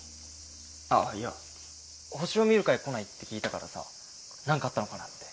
ああいや星を見る会来ないって聞いたからさ何かあったのかなって。